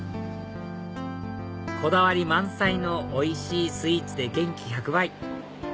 こだわり満載のおいしいスイーツで元気１００倍！